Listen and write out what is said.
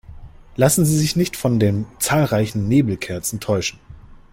Lassen Sie sich nicht von den zahlreichen Nebelkerzen täuschen!